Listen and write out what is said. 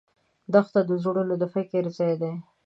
دښته د زړونو د فکر ځای دی.